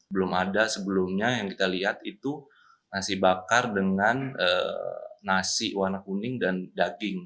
belum ada sebelumnya yang kita lihat itu nasi bakar dengan nasi warna kuning dan daging